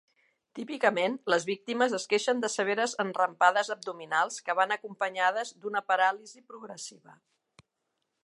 Típicament, les víctimes es queixen de severes enrampades abdominals que van acompanyades d'una paràlisi progressiva.